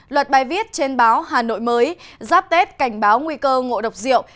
luật bài viết trên báo hà nội mới giáp tết cảnh báo nguy cơ ngộ độc rượu